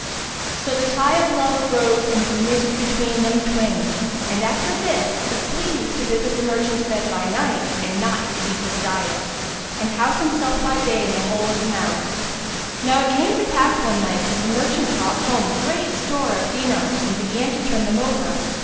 So the tie of love arose and was knitted between them twain, and after this, the flea used to visit the merchant's bed by night and not exceed in his diet, and house him by day in the hole of the mouse. Now it came to pass one night, the merchant brought home great store of dinars and began to turn them over.